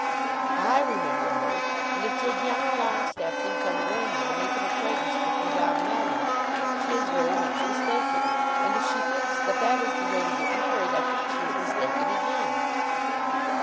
"I remember her, and if Georgiana Longestaffe thinks I'm going there to make an acquaintance with Madame Melmotte she is very much mistaken. And if she thinks that that is the way to get married, I think she is mistaken again."